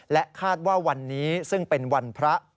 คาดว่าวันนี้ซึ่งเป็นวันพระ